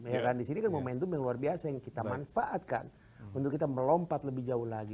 ya kan disini kan momentum yang luar biasa yang kita manfaatkan untuk kita melompat lebih jauh lagi